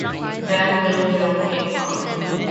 Then Billy Joel came calling.